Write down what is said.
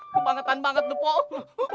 kebangetan banget tuh pok